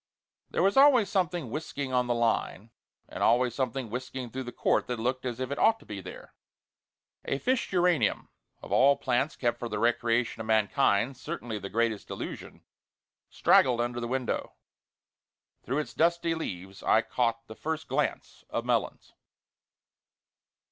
There was always something whisking on the line, and always something whisking through the court that looked as if it ought to be there. A fish geranium of all plants kept for the recreation of mankind, certainly the greatest illusion straggled under the window. Through its dusty leaves I caught the first glance of Melons.